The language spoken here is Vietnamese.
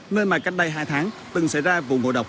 nơi mà cách đây hai tháng từng xảy ra vụ ngộ độc